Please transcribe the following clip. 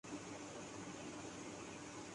اسے حل کون کرے گا؟